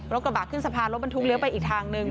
กระบะขึ้นสะพานรถบรรทุกเลี้ยไปอีกทางนึง